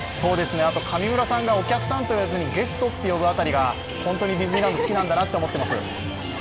上村さんがお客さんと言わずに、ゲストと呼ぶ辺りが本当にディズニーランド好きなんだなって思っています。